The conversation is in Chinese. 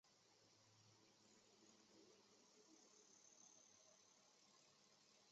哈佛大学的新生宿舍也是为了纪念伊西多和艾达而命名。